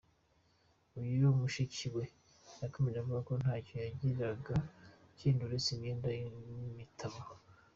Uyu mushiki we yakomeje avuga ko ntacyo yagiraga kindi uretse imyenda n’ibitabo.